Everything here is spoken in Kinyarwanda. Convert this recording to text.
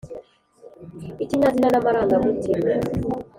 ikinyazina n’amarangamutima.